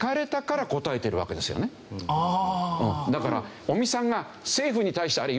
だから尾身さんが。